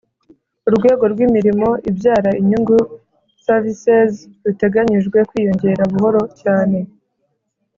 urwego rw'imirimo ibyara inyungu (services) ruteganyijwe kwiyongera buhoro cyane.